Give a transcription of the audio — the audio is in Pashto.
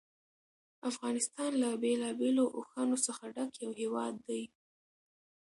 افغانستان له بېلابېلو اوښانو څخه ډک یو هېواد دی.